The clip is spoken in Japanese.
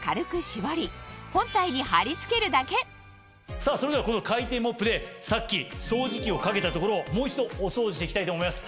さぁそれではこの回転モップでさっき掃除機をかけた所をもう一度お掃除していきたいと思います。